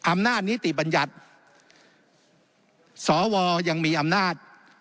อำนาจนิติบัญญัติสวยังมีอำนาจ